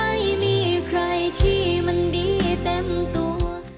ไม่มีใครที่มันดีเต็มตัว